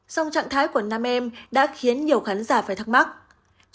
song trạng thái của nam em đã khiến nhiều khán giả phải thắc mắc